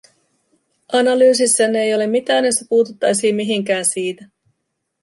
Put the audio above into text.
Analyysissanne ei ole mitään, jossa puututtaisiin mihinkään siitä.